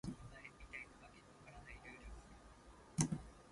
Lambert continued to play for Arsenal over the next few years, with regular goalscoring.